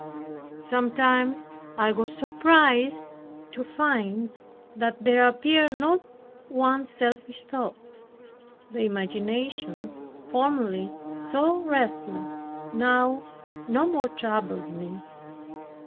Sometimes I was surprised to find that there appeared not one selfish thought. The imagination, formerly so restless, now no more troubled me.